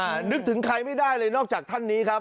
นึกถึงใครไม่ได้เลยนอกจากท่านนี้ครับ